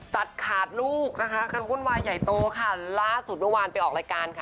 ตัดขาดลูกนะคะคันวุ่นวายใหญ่โตค่ะล่าสุดเมื่อวานไปออกรายการค่ะ